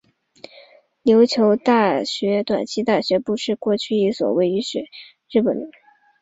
琉球大学短期大学部是过去一所位于日本冲绳县中头郡西原町的国立短期大学。